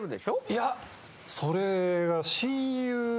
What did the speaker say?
いやそれが。